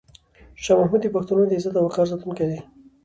شاه محمود د پښتنو د عزت او وقار ساتونکی و.